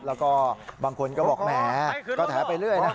แล้วก็บางคนก็บอกแหมก็แถไปเรื่อยนะ